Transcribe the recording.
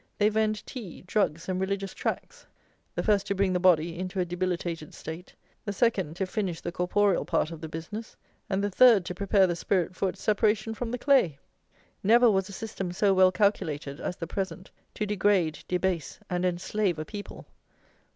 They vend tea, drugs, and religious tracts. The first to bring the body into a debilitated state; the second to finish the corporeal part of the business; and the third to prepare the spirit for its separation from the clay! Never was a system so well calculated as the present to degrade, debase, and enslave a people!